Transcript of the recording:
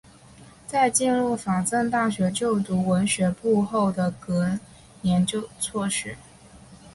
在进入法政大学就读文学部后的隔年辍学。